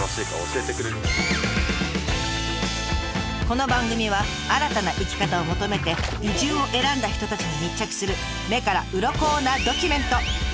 この番組は新たな生き方を求めて移住を選んだ人たちに密着する目からうろこなドキュメント。